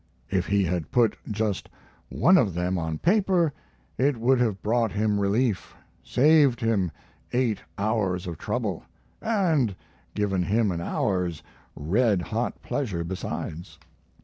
If he had put just one of them on paper it would have brought him relief, saved him eight hours of trouble, and given him an hour's red hot pleasure besides.